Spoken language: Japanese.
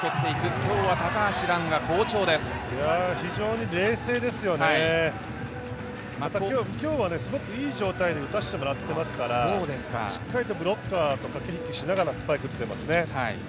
今日はすごくいい状態で打たしてもらっていますから、しっかりブロッカーと駆け引きしながらスパイク打ってますね。